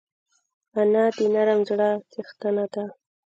انا د نرم زړه څښتنه ده